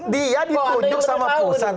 dia ditunjuk sama pusat